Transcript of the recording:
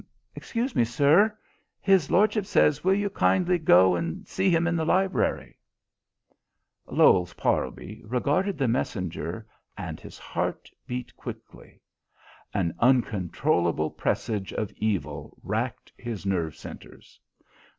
"Excuse me, sir. His lordship says will you kindly go and see him in the library?" Lowes Parlby regarded the messenger, and his heart beat quickly. An uncontrollable presage of evil racked his nerve centres.